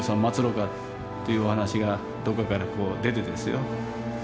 まつろうかっていうお話がどっかから出てですよ